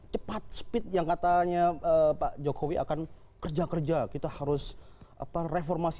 cepat speed sepeda ngo kata cok hijaudom bekerja kerja gitu harus apa reformasi